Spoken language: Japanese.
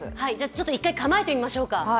１回構えてみましょうか？